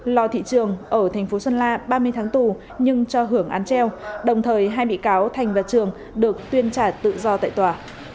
lò thị trường ở thành phố sơn la ba mươi tháng tù nhưng cho hưởng án treo đồng thời hai bị cáo thành và trường được tuyên trả tự do tại tòa